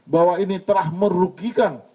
bahwa ini telah merugikan